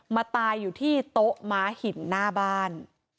มาตายอยู่ที่โต๊ะม้าหินหน้าบ้าน